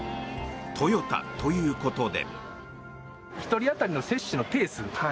トヨタということで。